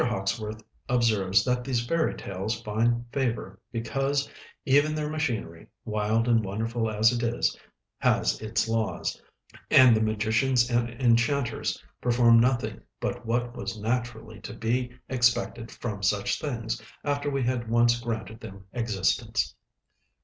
Hawkesworth observes that these Fairy Tales find favor "because even their machinery, wild and wonderful as it is, has its laws; and the magicians and enchanters perform nothing but what was naturally to be expected from such beings, after we had once granted them existence."